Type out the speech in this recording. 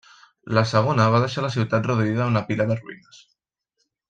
La segona va deixar la ciutat reduïda a una pila de ruïnes.